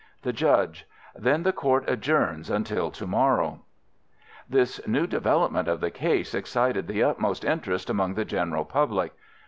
The Judge: Then the Court adjourns until to morrow. This new development of the case excited the utmost interest among the general public.